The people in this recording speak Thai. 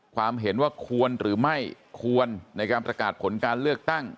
ความเห็นว่าควรหรือไม่ควรในการประกาศผลการเลือกตั้ง